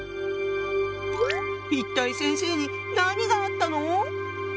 一体先生に何があったの？